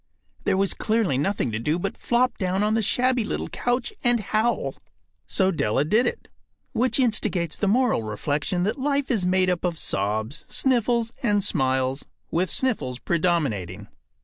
There was clearly nothing to do but flop down on the shabby little couch and howl. So Della did it. Which instigates the moral reflection that life is made up of sobs, sniffles, and smiles, with sniffles predominating.